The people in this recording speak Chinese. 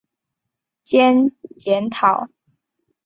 兼检讨。